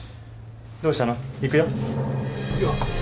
どうしたの行くよ？